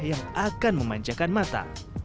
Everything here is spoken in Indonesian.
yang akan memanjakan mata